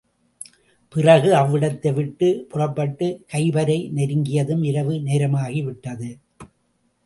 பிறகு அவ்விடத்தை விட்டு புறப்பட்டுக் கைபரை நெருங்கியதும், இரவு நேரமாகிவிட்டது.